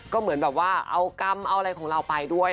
ก็เหมือนแบบว่าเอากรรมเอาอะไรของเราไปด้วย